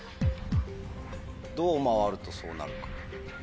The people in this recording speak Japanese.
どう回るとそうなるか？